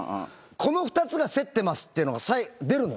この２つが競ってますっていうのが出るの。